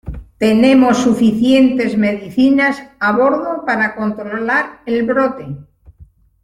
tenemos suficientes medicinas a bordo para controlar el brote.